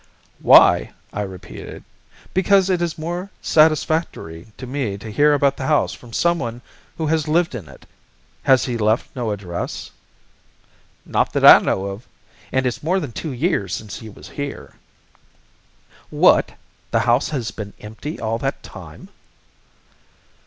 "Why!" I repeated. "Because it is more satisfactory to me to hear about the house from someone who has lived in it. Has he left no address?" "Not that I know of, and it's more than two years since he was here." "What! The house has been empty all that time?"